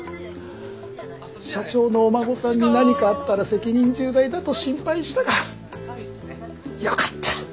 社長のお孫さんに何かあったら責任重大だと心配したがよかった。